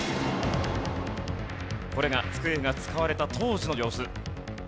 これが机が使われた当時の様子。